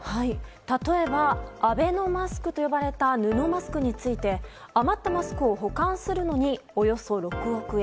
例えば、アベノマスクと呼ばれた布マスクについて余ったマスクを保管するのにおよそ６億円。